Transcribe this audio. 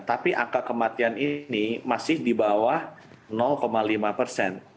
tapi angka kematian ini masih di bawah lima persen